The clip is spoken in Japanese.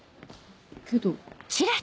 けど。